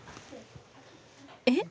えっ？